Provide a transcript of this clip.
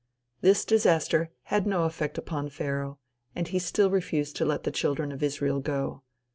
This disaster had no effect upon Pharaoh, and he still refused to let the children of Israel go.